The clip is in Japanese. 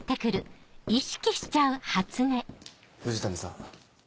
藤谷さん。